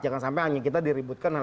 jangan sampai hanya kita diributkan